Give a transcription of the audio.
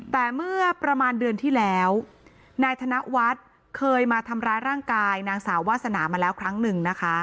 แต่เมื่อประมาณเดือนที่แล้วนายธนวัฒน์เคยมาทำร้ายร่างกายนางสาววาสนามาแล้วครั้งหนึ่งนะคะ